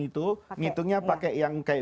itu ngitungnya pakai yang kayak